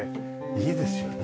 いいですよね。